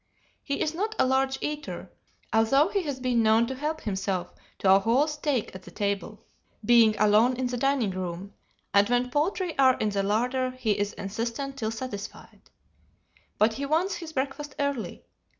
He is not a large eater, although he has been known to help himself to a whole steak at the table, being alone in the dining room; and when poultry are in the larder he is insistent till satisfied. But he wants his breakfast early.